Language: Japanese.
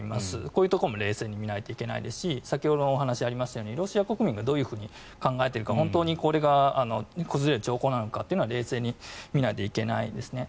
こういうところも冷静に見ないといけないですし先ほどのお話にありましたようにロシア国民がどう考えているか正しい情報なのか冷静に見ないといけないですね。